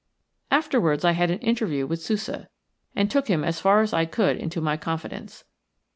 Afterwards I had an interview with Sousa, and took him as far as I could into my confidence.